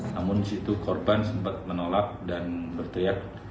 namun di situ korban sempat menolak dan berteriak